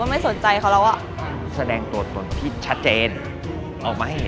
รายการต่อไปนี้เหมาะสำหรับผู้ชมที่มีอายุ๑๓ปีควรได้รับคำแนะนำ